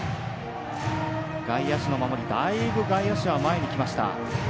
外野手の守り、だいぶ外野手は前にきました。